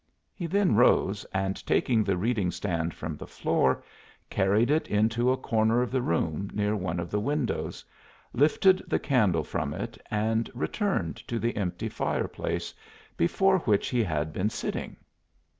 He then rose and taking the reading stand from the floor carried it into a corner of the room near one of the windows, lifted the candle from it and returned to the empty fireplace before which he had been sitting.